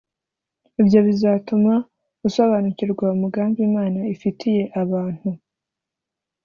Ibyo bizatuma usobanukirwa umugambi Imana ifitiye abantu